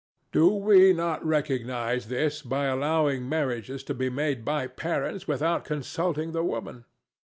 Do we not recognize this by allowing marriages to be made by parents without consulting the woman?